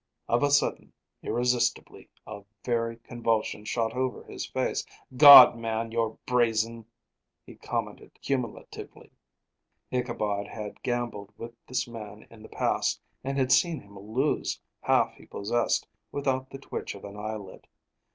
Of a sudden, irresistibly, a very convulsion shot over his face. "God, man, you're brazen!" he commented cumulatively. Ichabod had gambled with this man in the past, and had seen him lose half he possessed without the twitch of an eyelid.